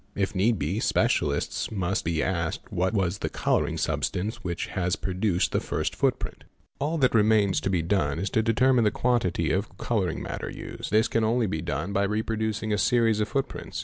If need be, specialists must be asked what was the colouring substance _ which has produced the first footprint. All that remains to be done is to determine the quantity of colouring a ik | A i ll a a al eC PLACA. i i A Pah matter used. This can only be done by reproducing a series of footprints.